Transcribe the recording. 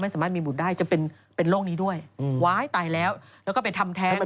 ไม่สามารถมีบุตรได้จะเป็นโรคนี้ด้วยไหว้ตายแล้วแล้วก็เป็นทำแท้ไหม